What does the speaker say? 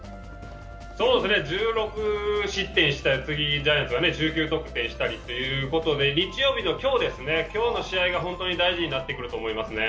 そうですね、１６失点した次にジャイアンツは１９得点したりということで、日曜日の今日の試合が本当に大事になってくると思いますね。